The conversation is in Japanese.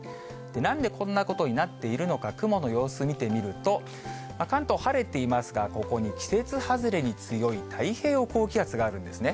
なんでこんなことになっているのか、雲の様子見てみると、関東、晴れていますが、ここに季節外れに強い太平洋高気圧があるんですね。